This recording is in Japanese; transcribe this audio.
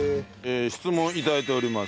質問を頂いております。